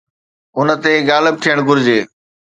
ان تي غالب ٿيڻ گهرجي.